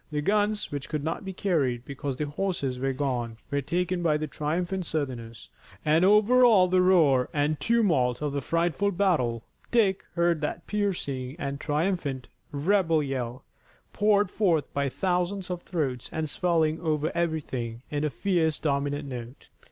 The guns which could not be carried, because the horses were gone, were taken by the triumphant Southerners, and over all the roar and tumult of the frightful battle Dick heard that piercing and triumphant rebel yell, poured forth by thousands of throats and swelling over everything, in a fierce, dominant note.